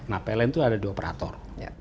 nah pln itu ada dua operator